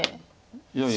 いやいや。